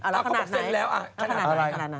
เรียบร้อยละขนาดไหน